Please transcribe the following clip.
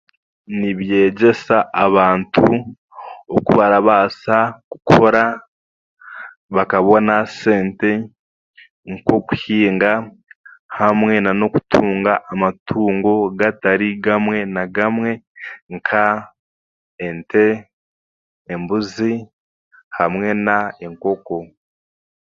Nibyegyesa abantu oku barabaasa kukora bakabona sente nk'okuhinga, hamwe n'okutunga amatungo gatari gamwe na gamwe, nka ente, embuzi hamwe na enkoko.